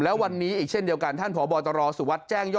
และวันนี้อีกเช่นเดียวกันท่านพบตรสุวัสดิ์แจ้งย่อ